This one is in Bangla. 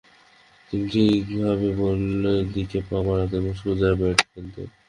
তিনি ঠিকভাবে বলের দিকে পা বাড়াতেন এবং সোজা ব্যাটে খেলতেন।